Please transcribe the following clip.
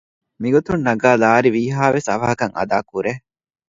މިގޮތުން ނަގައި ލާރި ވީހައިވެސް އަވަހަކަށް އަދާކުރޭ